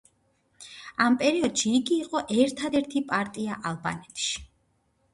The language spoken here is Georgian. ამ პერიოდში იგი იყო ერთადერთი პარტია ალბანეთში.